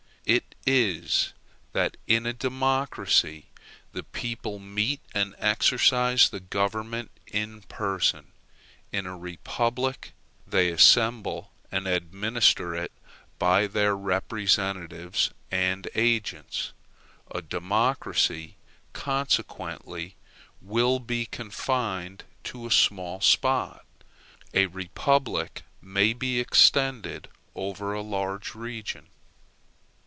It is, that in a democracy, the people meet and exercise the government in person; in a republic, they assemble and administer it by their representatives and agents. A democracy, consequently, will be confined to a small spot. A republic may be extended over a large region.